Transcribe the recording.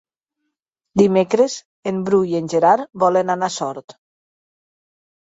Dimecres en Bru i en Gerard volen anar a Sort.